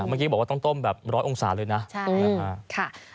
เมื่อกี้บอกว่าต้องต้มแบบร้อยองศาเลยนะ